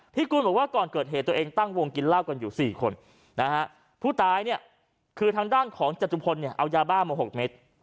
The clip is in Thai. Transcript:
พิกุลบอกว่าก่อนเกิดเหตุตัวเองตั้งวงกินเหล้ากันอยู่๔คนส่วนฐานธุ์ทางด้านของจัตรุพลเนี่ยเอายาบ้าละ๖เม็ด